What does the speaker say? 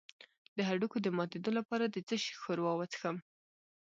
د هډوکو د ماتیدو لپاره د څه شي ښوروا وڅښم؟